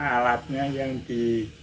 alatnya yang di